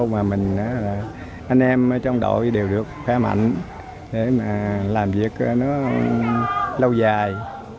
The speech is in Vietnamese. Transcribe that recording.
mà mình anh em trong đội đều được khỏe mạnh để mà làm việc nó lâu dài